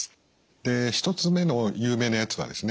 で１つ目の有名なやつはですね